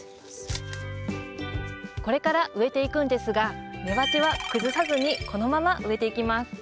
これから植えていくんですが根鉢は崩さずにこのまま植えていきます。